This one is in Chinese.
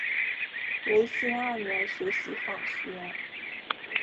维新二年学习法学。